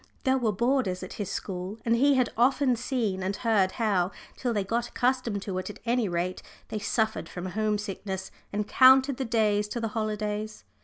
There were boarders at his school, and he had often seen and heard how, till they got accustomed to it at any rate, they suffered from home sickness, and counted the days to the holidays.